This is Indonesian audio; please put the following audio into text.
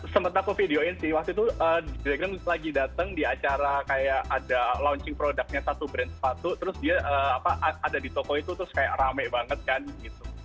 sempet aku video in sih waktu itu g dragon lagi dateng di acara kayak ada launching productnya satu brand sepatu terus dia ada di toko itu terus kayak rame banget kan gitu